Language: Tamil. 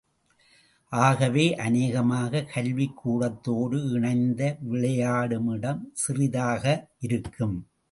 ஆகவே அநேகமாக, கல்விக்கூடத்தோடு இணைந்த விளையாடுமிடம் சிறிதாக இருக்கும்.